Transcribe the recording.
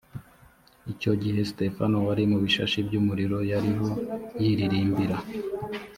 icyo gihe sitefano wari mu bishashi by’umuriro yariho yiririmbira